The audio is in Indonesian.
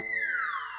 iya pak rete